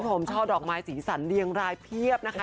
ผมช่อดอกไม้สีสันเรียงรายเพียบนะคะ